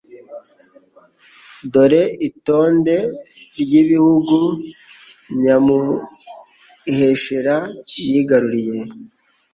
Dore itonde ry'ibihugu Nyamuheshera yigaruriye.